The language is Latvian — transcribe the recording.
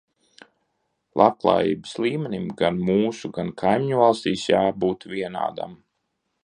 Labklājības līmenim gan mūsu, gan kaimiņvalstīs jābūt vienādam.